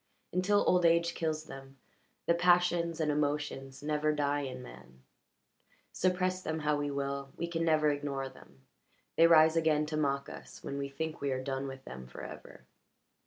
Until old age kills them, the passions and emotions never die in man; suppress them how we will, we can never ignore them; they rise again to mock us when we think we are done with them forever.